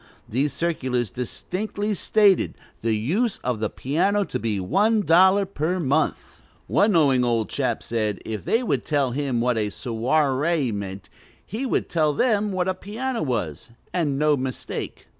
These circulars distinctly stated "the use of the piano to be one dollar per month." One knowing old chap said, if they would tell him what so i ree meant, he would tell them what a piano was, and no mistake.